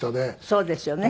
そうですよね。